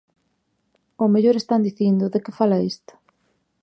Ao mellor están dicindo: ¿de que fala esta?